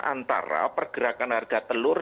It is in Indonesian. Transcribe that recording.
antara pergerakan harga telur